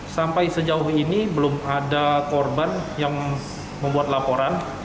sampai sejauh ini belum ada korban yang membuat laporan